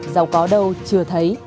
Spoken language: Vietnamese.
giàu có đâu chưa thấy